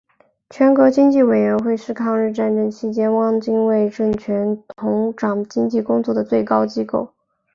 全国经济委员会是抗日战争期间汪精卫政权统掌经济工作的最高机构。